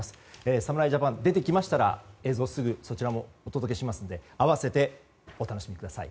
侍ジャパン、出てきましたら映像、すぐにお届けしますので併せてお楽しみください。